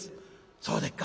「そうでっか。